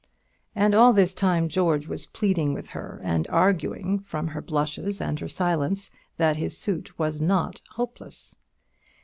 And all this time George was pleading with her, and arguing, from her blushes and her silence, that his suit was not hopeless.